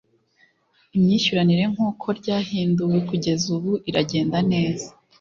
imyishyuranire nk' uko ryahinduwe kugeza ubu iragenda neza